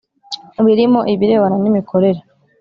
birimo ibirebana n’imikorere